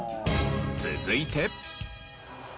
続いて。